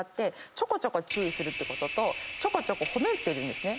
ちょこちょこ注意することとちょこちょこ褒めてるんですね。